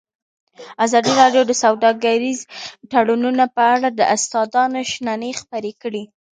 ازادي راډیو د سوداګریز تړونونه په اړه د استادانو شننې خپرې کړي.